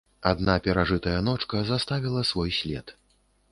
Адна перажытая ночка заставіла свой след.